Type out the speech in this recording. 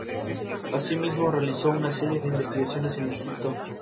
Asimismo, realizó una serie de investigaciones en Egipto.